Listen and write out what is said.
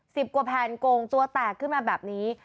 กว่าแผ่นโกงตัวแตกขึ้นมาแบบนี้